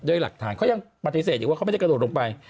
โดยหลักฐานเขายังปฏิเสธอยู่ว่าเขาไม่ได้กระโดดลงไป